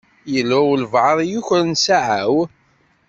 Yella walebɛaḍ i yukren ssaɛa-w.